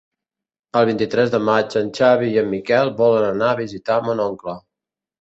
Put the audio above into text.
El vint-i-tres de maig en Xavi i en Miquel volen anar a visitar mon oncle.